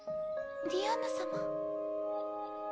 ディアンヌ様。